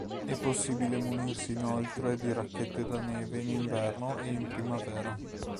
È possibile munirsi inoltre di racchette da neve in inverno e in primavera.